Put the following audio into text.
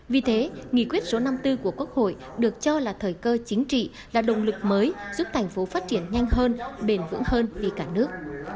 vì thế nghị quyết số năm mươi bốn của quốc hội được cho là thời cơ chính trị là động lực mới giúp thành phố phát triển nhanh hơn bền vững hơn vì cả nước